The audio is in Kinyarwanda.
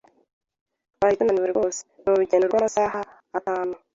Twari tunaniwe rwose nurugendo rwamasaha atanu.